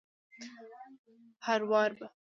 هروار به